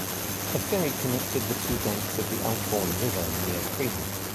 A ferry connected the two banks of the Elkhorn River near Fremont.